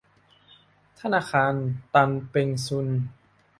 ธนาคารตันเปงชุน